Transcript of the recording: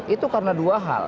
itu karena dua hal